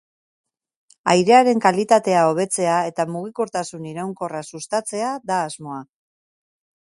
Airearen kalitatea hobetzea eta mugikortasun iraunkorra sustatzea da asmoa.